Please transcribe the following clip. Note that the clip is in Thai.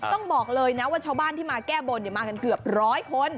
ต้องบอกเลยนะว่าชาวบ้านที่มาแก้บนมากันเกือบร้อยคน